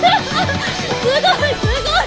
すごいすごい！